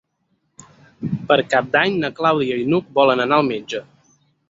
Per Cap d'Any na Clàudia i n'Hug volen anar al metge.